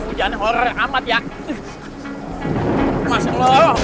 aku banget gak tidur sama mama sama papa